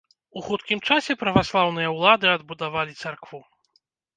У хуткім часе праваслаўныя ўлады адбудавалі царкву.